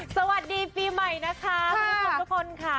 สวัสดีปีใหม่นะคะทุกคนค่ะ